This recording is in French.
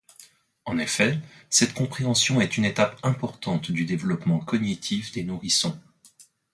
En effet, cette compréhension est une étape importante du développement cognitif des nourrissons.